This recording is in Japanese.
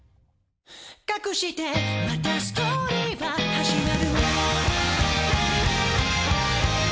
「かくしてまたストーリーは始まる」